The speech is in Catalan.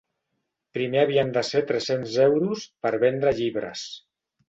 Primer havien de ser tres-cents euros per vendre llibres.